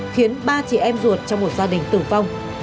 khiến ba chị em ruột trong một gia đình tử vong